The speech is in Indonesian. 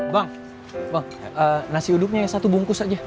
bang bang nasi udupnya satu bungkus aja